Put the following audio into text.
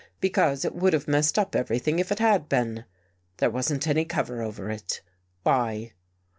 Because it would have messed up everything if it had been. There wasn't any cover over it. Why?